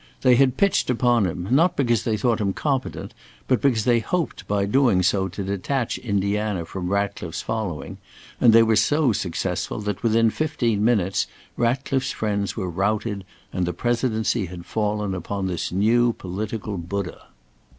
They had pitched upon him, not because they thought him competent, but because they hoped by doing so to detach Indiana from Ratcliffe's following, and they were so successful that within fifteen minutes Ratcliffe's friends were routed, and the Presidency had fallen upon this new political Buddha.